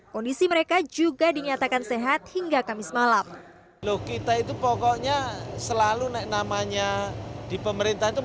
kondisi mereka juga dinyatakan sehat hingga kamis malam